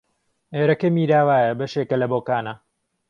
ئێرەکە میراوایە بەشێکە لە بۆکانە